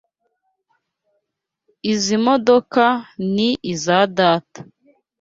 Izoi modoka ni izoa data.